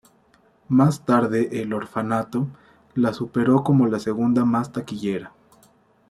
Más tarde, "El orfanato" la superó como la segunda más taquillera.